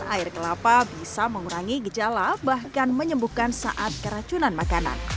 air kelapa bisa mengurangi gejala bahkan menyembuhkan saat keracunan makanan